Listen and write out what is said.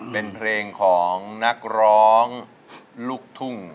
เป็นเพลงของนักร้องลูกทุ่ง